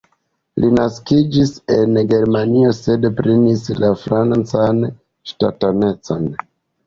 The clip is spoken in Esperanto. Li naskiĝis en Germanio, sed prenis la francan ŝtatanecon.